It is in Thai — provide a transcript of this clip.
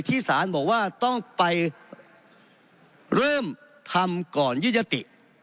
สารบอกว่าต้องไปเริ่มทำก่อนยืดยติ